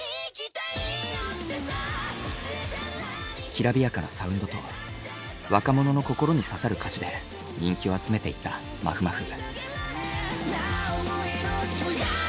きらびやかなサウンドと若者の心に刺さる歌詞で人気を集めていったまふまふ。